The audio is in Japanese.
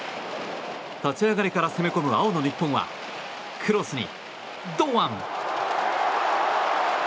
立ち上がりから攻め込む青の日本はクロスに堂安。